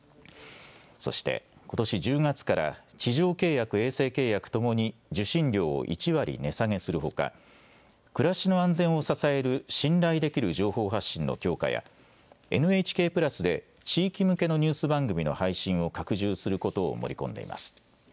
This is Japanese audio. そしてことし１０月から地上契約・衛星契約ともに受信料を１割値下げするほか暮らしの安全を支える信頼できる情報発信の強化やＮＨＫプラスで地域向けのニュース番組の配信を拡充することを盛り込んでいます。